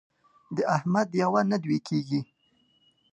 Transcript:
د احمد یوه نه دوې کېږي.